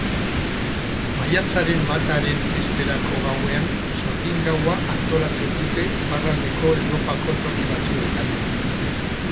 Maiatzaren bataren bezperako gauean sorgin gaua antolatzen dute Iparraldeko Europako toki batzuetan.